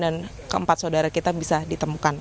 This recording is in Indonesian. dan keempat saudara kita bisa ditemukan